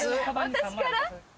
私から？